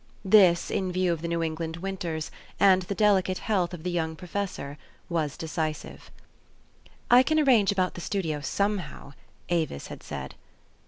This, in view of the New England winters, and the delicate health of the young professor, was decisive. " I can arrange about the studio somehow," Avis had said.